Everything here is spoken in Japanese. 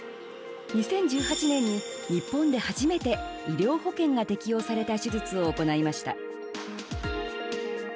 ２０１８年に日本で初めて医療保険が適用された手術を行いました。